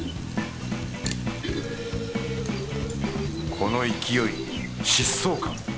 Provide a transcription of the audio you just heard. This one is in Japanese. この勢い疾走感。